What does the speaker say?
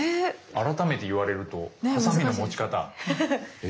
改めて言われるとハサミの持ち方。え？